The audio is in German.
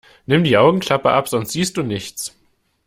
Nimm die Augenklappe ab, sonst siehst du nichts!